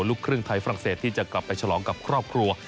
ลูกครึ่งไทยฝรั่งเศสที่จะกลับไปฉลองกับครอบครัว